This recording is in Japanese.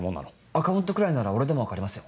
アカウントくらいなら俺でも分かりますよ。